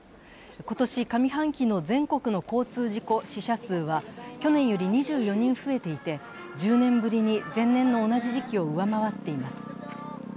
今年上半期の全国の交通事故死者数は去年より２４人増えていて、１０年ぶりに前年の同じ時期を上回っています。